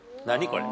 これ。